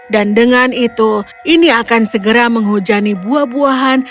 dan dengan itu ini akan segera menghujani buah buahan